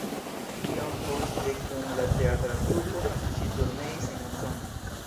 Iom poste kun la teatra trupo ŝi turneis en Usono.